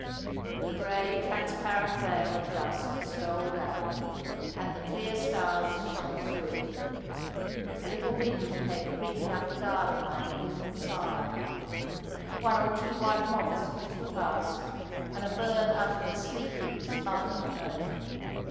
The grey, transparent veil of dusk stole down, and the clear stars shone through it. A little wind came creeping up the garden like a human sigh. One or two white moths flitted past, and a bird uttered a sleepy, smothered note.